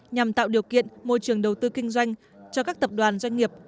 nhằm tạo điều kiện môi trường đầu tư kinh doanh cho các tập đoàn doanh nghiệp